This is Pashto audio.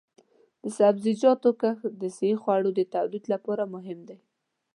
د سبزیجاتو کښت د صحي خوړو د تولید لپاره مهم دی.